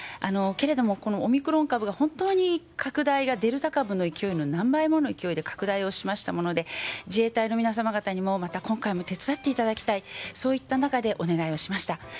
けれどもオミクロン株が本当に拡大がデルタ株の勢いの何倍もの勢いで拡大しましたもので自衛隊の皆様方にも、また今回も手伝っていただきたいといった中でお願いをしました。